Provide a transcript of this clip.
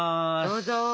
どうぞ。